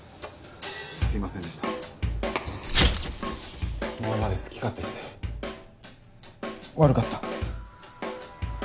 すいませんでした今まで好き勝手して悪かった